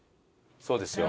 そうですよ。